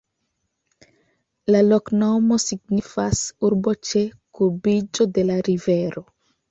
La loknomo signifas: urbo ĉe kurbiĝo de la rivero.